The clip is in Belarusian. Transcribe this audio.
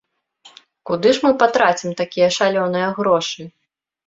Куды ж мы патрацім такія шалёныя грошы?